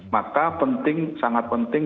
maka penting sangat penting